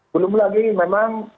belum lagi memang